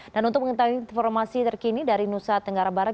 dan untuk mengetahui informasi terkini dari nusa tenggara barat